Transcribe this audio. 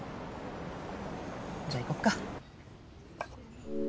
じゃあ行こっか。